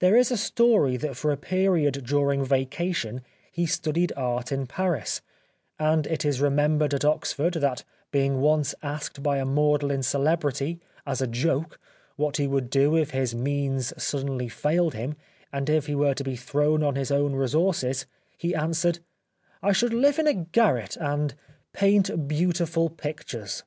There is a story that for a period during vacation he studied art in Paris ; and it is remembered at Oxford that being once asked by a Magdalen celebrity, as a joke, what he would do if his means suddenly failed him and if he were to be thrown on his own resources, he answered : "I should live in a garret and paint beautiful pictures."